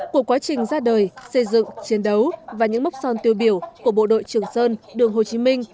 của quá trình ra đời xây dựng chiến đấu và những mốc son tiêu biểu của bộ đội trường sơn đường hồ chí minh